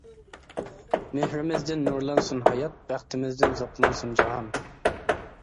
مېھرىمىزدىن نۇرلانسۇن ھايات، بەختىمىزدىن زوقلانسۇن جاھان.